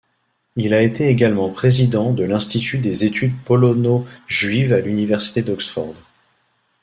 Il a été également président de l’Institut des Études Polono-Juives à l’Université d’Oxford.